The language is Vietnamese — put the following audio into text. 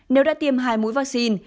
nếu đã tiêm hai mũi vaccine